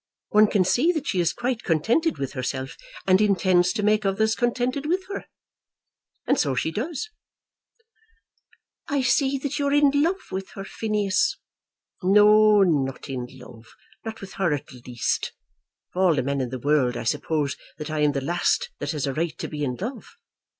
One can see that she is quite contented with herself, and intends to make others contented with her. And so she does." "I see you are in love with her, Phineas." "No; not in love, not with her at least. Of all men in the world, I suppose that I am the last that has a right to be in love.